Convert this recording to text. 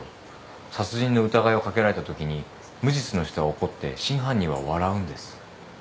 殺人の疑いをかけられたときに無実の人は怒って真犯人は笑うんです。